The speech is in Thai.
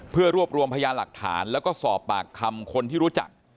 เพื่อรวบรวมพยานหลักฐานแล้วก็สอบปากคำคนที่รู้จัก